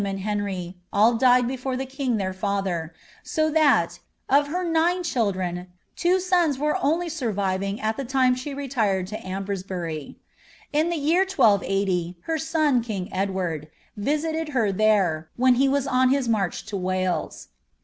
85 nd I Jeniy, all died before the king their fiither ; so that, of her nine ^ildren, two sons only were surviving at the time she retired to Am vsbury. In the year 1280, her son, king Edward, visited her there, hen he was on bis march to Wales.